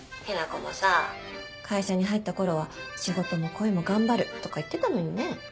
雛子もさぁ会社に入った頃は「仕事も恋も頑張る」とか言ってたのにね。